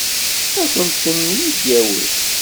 Ad kent-ten-id-yawi?